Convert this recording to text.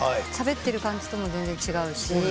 しゃべってる感じとも全然違うし。